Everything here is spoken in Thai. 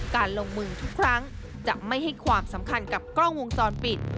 การลงมือทุกครั้งจะไม่ให้ความสำคัญกับกล้องวงจรปิด